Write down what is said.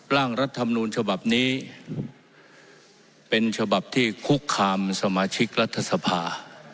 ร่างรัฐมนูญฉบับนี้เป็นฉบับที่คุกคามสมาชิกรัฐสภา